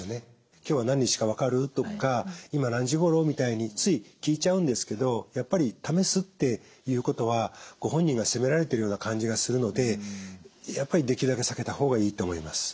「今日は何日か分かる？」とか「今何時ごろ？」みたいについ聞いちゃうんですけどやっぱり試すっていうことはご本人が責められてるような感じがするのでやっぱりできるだけ避けた方がいいと思います。